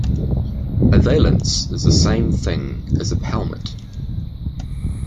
A valance is the same thing as a pelmet